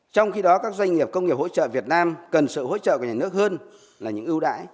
trong khi đó các doanh nghiệp công nghiệp hỗ trợ việt nam cần sự hỗ trợ của nhà nước hơn là những ưu đãi